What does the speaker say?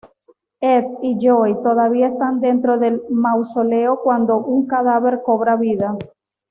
Ed y Joey todavía están dentro del mausoleo cuando un cadáver cobra vida.